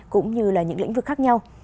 cũng như những lĩnh vực khác nhau